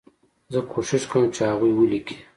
زه کوښښ کوم چې هغوی ولیکي.